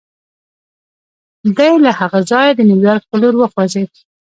دی له هغه ځایه د نیویارک پر لور وخوځېد